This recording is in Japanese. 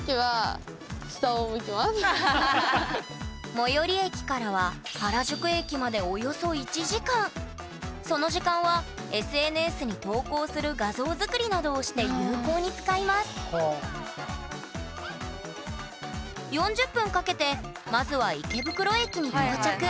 最寄り駅からは原宿駅までその時間はＳＮＳに投稿する画像作りなどをして有効に使います４０分かけてまずは池袋駅に到着。